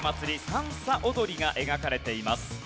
さんさ踊りが描かれています。